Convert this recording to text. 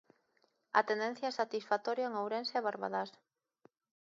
A tendencia é satisfactoria en Ourense e Barbadás.